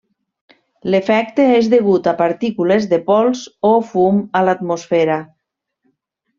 L'efecte és degut a partícules de pols o fum a l'atmosfera.